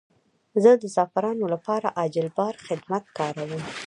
زه د زعفرانو لپاره عاجل بار خدمت کاروم.